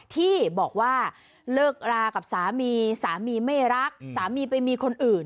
ที่บอกว่าเลิกรากับสามีสามีไม่รักสามีไปมีคนอื่น